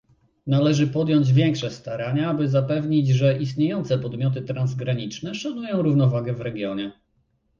Należy podjąć większe starania, by zapewnić, że istniejące podmioty transgraniczne szanują równowagę w regionie